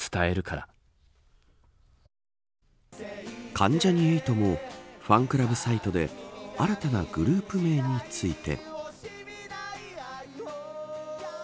関ジャニ∞もファンクラブサイトで新たなグループ名について。